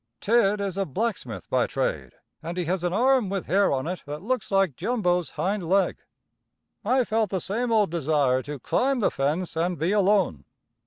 Tidd is a blacksmith by trade, and he has an arm with hair on it that looks like Jumbo's hind leg. I felt the same old desire to climb the fence and be alone.